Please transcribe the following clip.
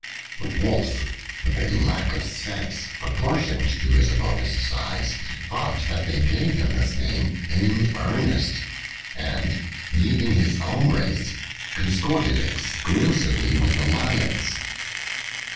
The Wolf, with a lack of sense proportioned to his enormous size, thought that they gave him this name in earnest, and, leaving his own race, consorted exclusively with the lions.